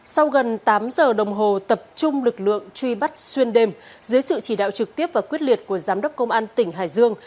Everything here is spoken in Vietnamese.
sau gần tám giờ đồng hồ tập trung lực lượng truy bắt xuyên đêm dưới sự chỉ đạo trực tiếp và quyết liệt của giám đốc công an tỉnh hải dương